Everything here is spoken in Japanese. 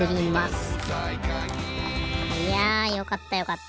いやよかったよかった。